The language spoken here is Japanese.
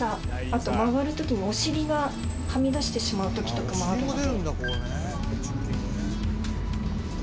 あと曲がるとき、お尻がはみ出してしまうときとかもあるので。